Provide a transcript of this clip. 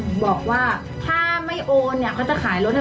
โม้ต้องรีบโอนนะเพื่อเป็นการยืนยัน